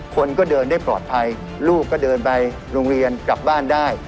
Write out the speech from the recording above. คนก็เดินได้ปลอดภัยลูกก็เดินไปโรงเรียนกลับบ้านได้